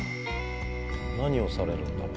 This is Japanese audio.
何をされるんだろう？